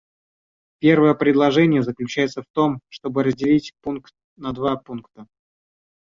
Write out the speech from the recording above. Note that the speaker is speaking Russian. Первое предложение заключается в том, чтобы разделить пункт на два пункта.